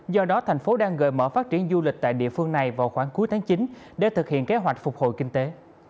do đó thành phố đang gợi mở phát triển du lịch tại địa phương này vào khoảng cuối tháng chín để thực hiện kế hoạch phục hồi kinh tế